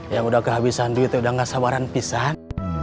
yang udah kehabisan duit udah gak sabaran pisah